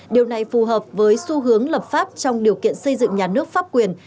điều này phù hợp với xu hướng lập pháp trong điều kiện xây dựng nhà nước pháp quyền